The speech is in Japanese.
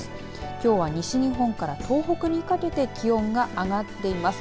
きょうは西日本から東北にかけて気温が上がっています。